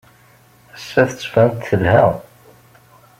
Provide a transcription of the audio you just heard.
Ass-a, tettban-d telha.